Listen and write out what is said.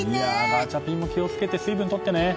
ガチャピンも気を付けて水分とってね。